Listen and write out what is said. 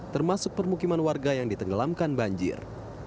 termasuk permukiman warga yang ditenggelamkan banjir